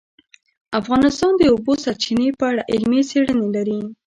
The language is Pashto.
افغانستان د د اوبو سرچینې په اړه علمي څېړنې لري.